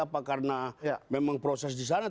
apa karena memang proses di sana